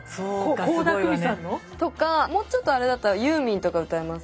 倖田來未さんの？とかもうちょっとあれだったらユーミンとか歌います。